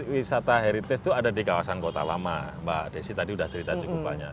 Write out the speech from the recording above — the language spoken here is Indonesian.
wisata heritage itu ada di kawasan kota lama mbak desi tadi sudah cerita cukup banyak